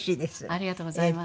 ありがとうございます。